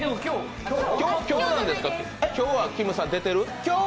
今日はきむさん、出てる？